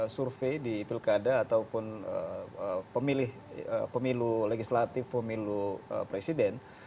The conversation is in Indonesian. survei di pilkada ataupun pemilih pemilu legislatif pemilu presiden